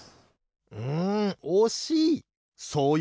うんおしい！